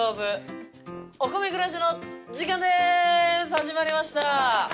始まりました！